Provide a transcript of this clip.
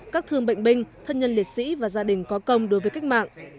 các thương bệnh binh thân nhân liệt sĩ và gia đình có công đối với cách mạng